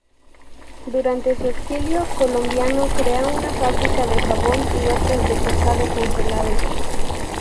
Durante su exilio colombiano crea una fábrica de jabón y otras de pescado congelado.